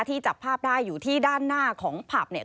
จับภาพได้อยู่ที่ด้านหน้าของผับเนี่ย